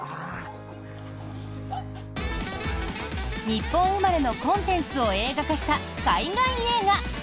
日本生まれのコンテンツを映画化した海外映画。